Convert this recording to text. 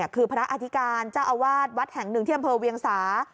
คือพระอธิการเจ้าอาวาสวัดแห่งหนึ่งที่อำเภอเวียงสา